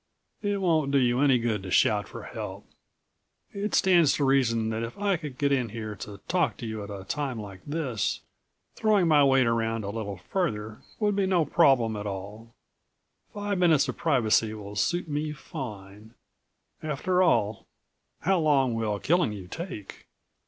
It won't do you any good to shout for help. It stands to reason that if I could get in here to talk to you at a time like this, throwing my weight around a little further would be no problem at all. Five minutes of privacy will suit me fine. After all, how long will killing you take?"